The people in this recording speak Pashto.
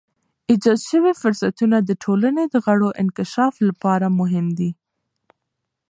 ایجاد شوی فرصتونه د ټولنې د غړو انکشاف لپاره مهم دي.